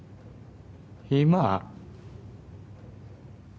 今？